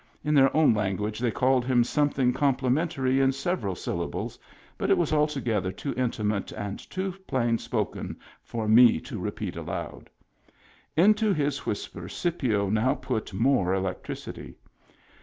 In their own language they called him something complimentary in several syllables, but it was al together too intimate and too plain spoken for me to repeat aloud. Into his whisper Scipio now put more electricity.